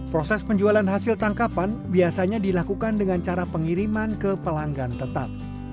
proses penjualan hasil tangkapan biasanya dilakukan dengan cara pengiriman ke pelanggan tetap